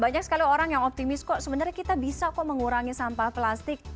banyak sekali orang yang optimis kok sebenarnya kita bisa kok mengurangi sampah plastik